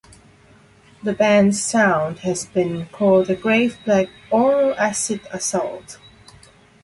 The band's sound has been called a grave-black aural acid assault.